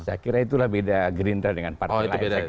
saya kira itulah beda gerinda dengan partai lain